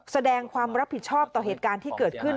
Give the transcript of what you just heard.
แสดงความรับผิดชอบต่อเหตุการณ์ที่เกิดขึ้น